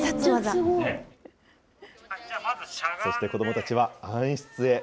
そして子どもたちは暗室へ。